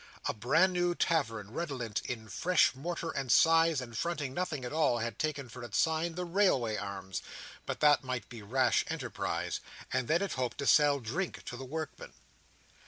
A bran new Tavern, redolent of fresh mortar and size, and fronting nothing at all, had taken for its sign The Railway Arms; but that might be rash enterprise—and then it hoped to sell drink to the workmen.